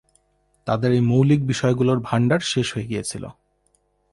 তাদের এই মৌলিক বিষয়গুলোর ভাণ্ডার শেষ হয়ে গিয়েছিল।